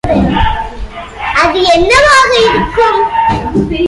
அது என்னவாக இருக்கும்?